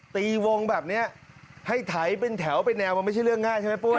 ตีวงแบบนี้ให้ไถเป็นแถวเป็นแนวมันไม่ใช่เรื่องง่ายใช่ไหมปุ้ย